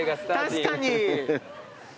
確かに。